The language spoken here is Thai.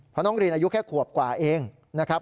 เพราะน้องรินอายุแค่ขวบกว่าเองนะครับ